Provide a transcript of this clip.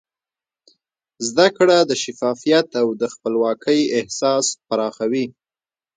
زده کړه د شفافیت او د خپلواکۍ احساس پراخوي.